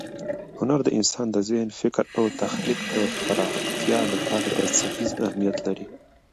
هنر د انسان د ذهن، فکر او تخلیق د پراختیا لپاره بنسټیز اهمیت لري.